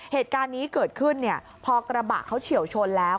เหตุการณ์นี้เกิดขึ้นเนี่ยพอกระบะเขาเฉียวชนแล้ว